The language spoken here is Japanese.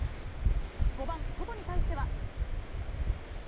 ５番ソトに対しては。